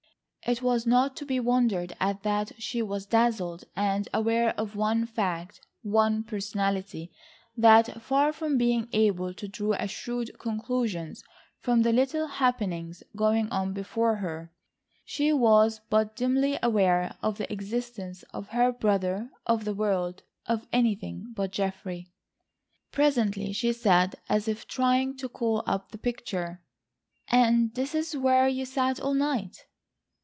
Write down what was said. It was not to be wondered at that she was dazzled and aware of one fact, one personality, that far from being able to draw shrewd conclusions from the little happenings going on before her, she was but dimly aware of the existence of her brother, of the world, of anything but Geoffrey. Presently she said, as if trying to call up the picture: "And this is where you sat all night?"